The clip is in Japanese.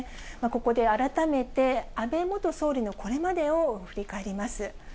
ここで改めて、安倍元総理のこれまでを振り返ります。